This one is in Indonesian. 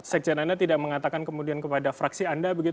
sekjen anda tidak mengatakan kemudian kepada fraksi anda